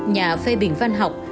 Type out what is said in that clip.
nhà phê bình văn học